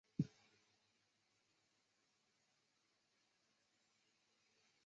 我作为女人而参与了动乱。